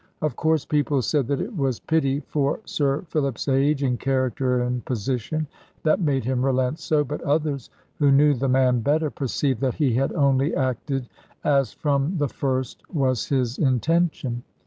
Of course people said that it was pity for Sir Philip's age and character and position, that made him relent so: but others, who knew the man better, perceived that he had only acted as from the first was his intention.